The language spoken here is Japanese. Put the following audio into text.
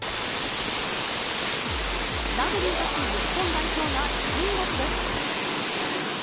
ラグビー女子日本代表が金星です。